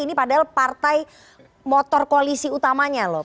ini padahal partai motor koalisi utamanya loh